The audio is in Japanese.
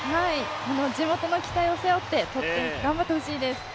地元の期待を背負って頑張ってほしいです。